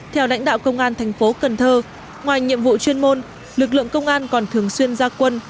theo lãnh đạo công an thành phố cần thơ ngoài nhiệm vụ chuyên môn lực lượng công an còn thường xuyên ra quân